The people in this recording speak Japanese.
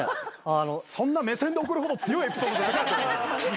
そんな目線で送るほど強いエピソードじゃなかった。